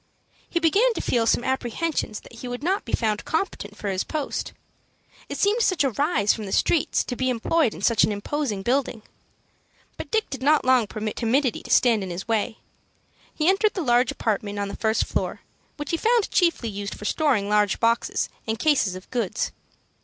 He began to feel some apprehensions that he would not be found competent for his post. It seemed such a rise from the streets to be employed in such an imposing building. But Dick did not long permit timidity to stand in his way. He entered the large apartment on the first floor, which he found chiefly used for storing large boxes and cases of goods.